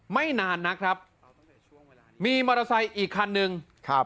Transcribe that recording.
ไม่นานนักครับมีมอเตอร์ไซค์อีกคันหนึ่งครับ